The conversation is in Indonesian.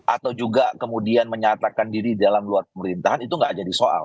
atau juga kemudian menyatakan diri dalam luar pemerintahan itu nggak jadi soal